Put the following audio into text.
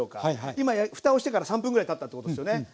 今ふたをしてから３分ぐらいたったってことですよね。